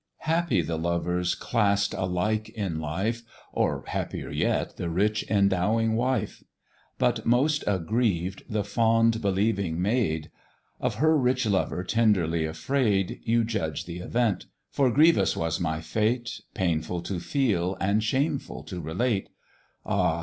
"Happy the lovers class'd alike in life, Or happier yet the rich endowing wife; But most aggrieved the fond believing maid. Of her rich lover tenderly afraid: You judge th' event; for grievous was my fate, Painful to feel, and shameful to relate: Ah!